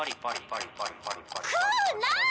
食うな！